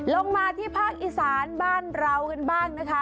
ลงมาที่ภาคอีสานบ้านเรากันบ้างนะคะ